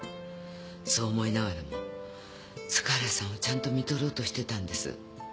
そう思いながらも塚原さんをちゃんと看取ろうとしてたんです。